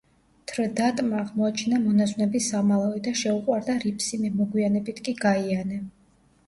თრდატმა აღმოაჩინა მონაზვნების სამალავი და შეუყვარდა რიფსიმე, მოგვიანებით კი გაიანე.